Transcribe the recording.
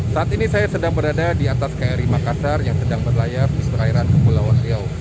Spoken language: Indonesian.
saat ini saya sedang berada di atas kl lima kasar yang sedang berlayar di seberairan kepulauan riau